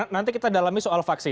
nanti kita dalami soal vaksin